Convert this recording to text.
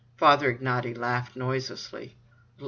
Father Ignaty laughed noiselessly.